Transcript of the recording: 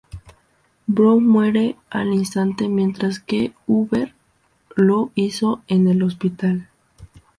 Brown muere al instante mientras que Huber lo hizo en el hospital.